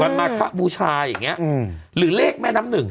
วันมาฆ่าผู้ชายอย่างนี้หรือเลขแม่น้ำหนึ่ง